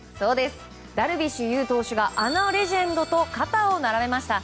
ダルビッシュ有投手があのレジェンドと肩を並べました。